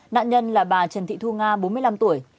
nạn nhân là bà trần thị thu nga bốn mươi năm tuổi